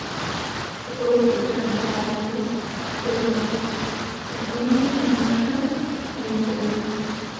Se puede escuchar en los álbumes "Thelonious in Action" y "Misterioso".